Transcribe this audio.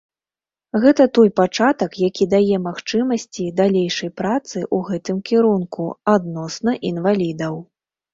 Гэта той пачатак, які дае магчымасці далейшай працы ў гэтым кірунку адносна інвалідаў.